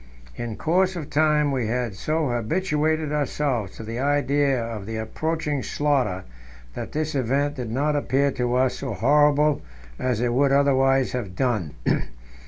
In course of time we had so habituated ourselves to the idea of the approaching slaughter that this event did not appear to us so horrible as it would otherwise have done.